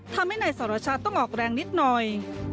ทำให้นายสรชัดต้องออกแรงนิดหน่อย